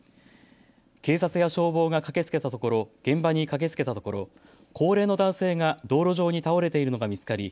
警察や消防が現場に駆けつけたところ高齢の男性が道路上に倒れているのが見つかり